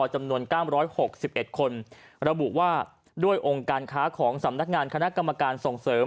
จำนวน๙๖๑คนระบุว่าด้วยองค์การค้าของสำนักงานคณะกรรมการส่งเสริม